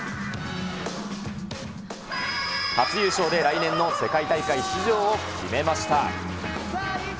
初優勝で来年の世界大会出場を決めました。